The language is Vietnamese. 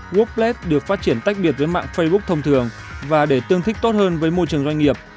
grouplate được phát triển tách biệt với mạng facebook thông thường và để tương thích tốt hơn với môi trường doanh nghiệp